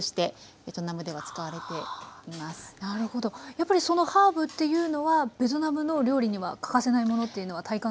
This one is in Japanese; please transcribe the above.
やっぱりそのハーブっていうのはベトナムの料理には欠かせないものっていうのは体感されました？